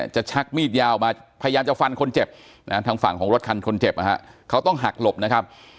ชักมีดยาวมาพยายามจะฟันคนเจ็บทางฝั่งของรถคันคนเจ็บนะฮะเขาต้องหักหลบนะครับ